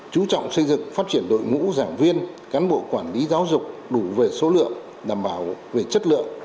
chú trọng xây dựng phát triển đội ngũ giảng viên cán bộ quản lý giáo dục đủ về số lượng đảm bảo về chất lượng